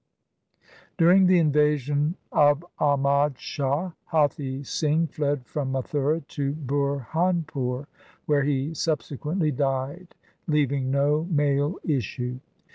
During the invasion of Ahmad Shah, Hathi Singh fled from Mathura to Burhanpur, where he subse quently died, leaving no male issue.